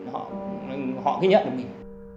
họ ghi nhận được mình